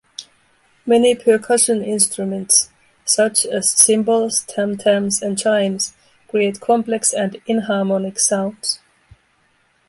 Many percussion instruments, such as cymbals, tam-tams, and chimes, create complex and inharmonic sounds.